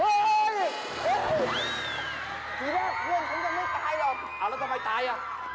เรามันกับการตายหรือยัง